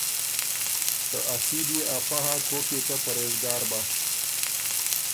که اصیل يې افۀ هۀ کوک يې که پرېزګار بۀ“